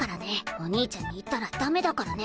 お兄ちゃんに言ったらダメだからね。